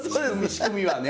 仕組みはね。